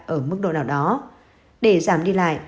ở mức độ nào đó để giảm đi lại